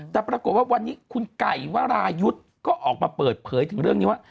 แต่ปรากฏว่าวันนี้คุณไก่วรายุทธ์ก็ออกมาเปิดเผยถึงเรื่องนี้ว่า